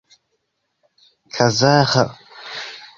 kazaĥa